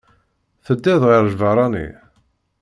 Teddiḍ ɣer lbeṛṛani?